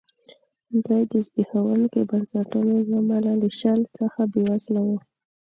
دوی د زبېښونکو بنسټونو له امله له شل څخه بېوزله وو.